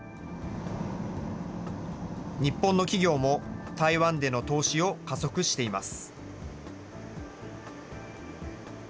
日本の企業も台湾での投資を加速しています。